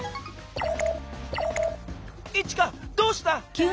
イチカどうした？